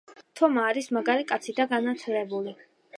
თომა არის მაგარი კაცი და განათლებული